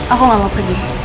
aku gak mau pergi